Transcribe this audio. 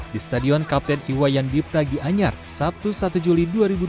di stadion kapten iwayan dipta gianyar sabtu satu juli dua ribu dua puluh